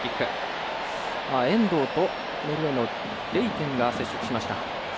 遠藤とノルウェーのレイテンが接触しました。